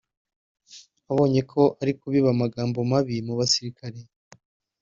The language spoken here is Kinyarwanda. abonye ko ari kubiba amagambo mabi mu basirikare